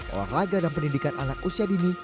olahraga dan pendidikan anak usia dini